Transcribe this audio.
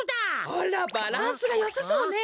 あらバランスがよさそうね。